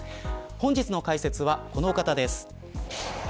本日の解説はこの方です。